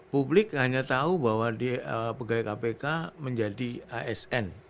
publik hanya tahu bahwa pegawai kpk menjadi asn